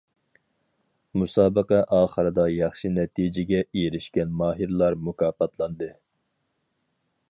مۇسابىقە ئاخىرىدا ياخشى نەتىجىگە ئېرىشكەن ماھىرلار مۇكاپاتلاندى.